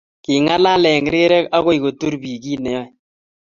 king'alal eng rirek akoi kotur biik kiit neyoei